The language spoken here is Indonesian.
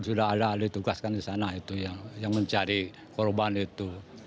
sudah ada ditugaskan di sana itu yang mencari korban itu